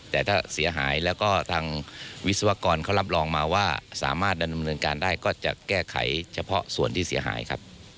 แต่ถ้าเสียหายแล้วก็ทางวิศวกรเขารับรองมาว่าสามารถดำเนินการได้ก็จะแก้ไขเฉพาะส่วนที่เสียหายครับ